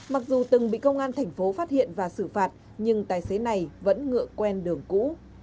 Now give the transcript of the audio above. mặc dù từng bị công an thành phố phát hiện và xử phạt nhưng tài xế này vẫn ngựa quen đường cũ